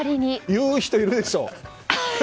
言う人いるでしょ？